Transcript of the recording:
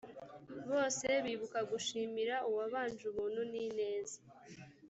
bose bibuka gushimira uwabanje ubuntu n ineza